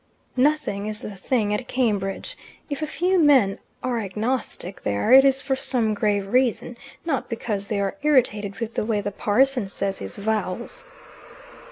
"Nothing is the 'thing' at Cambridge. If a few men are agnostic there, it is for some grave reason, not because they are irritated with the way the parson says his vowels."